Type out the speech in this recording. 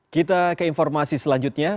kita ke informasi selanjutnya